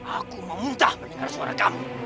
aku memuntah mendengar suara kami